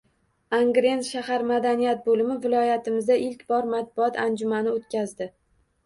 Angren shahar madaniyat boʻlimi viloyatimizda ilk bor matbuot anjumani oʻtkazdi.